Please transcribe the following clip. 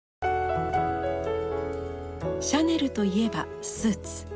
シャネルといえばスーツ。